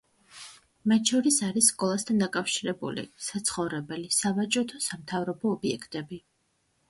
მათ შორის არის სკოლასთან დაკავშირებული, საცხოვრებელი, სავაჭრო თუ სამთავრობო ობიექტები.